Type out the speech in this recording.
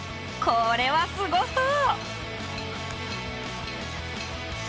これはすごそう！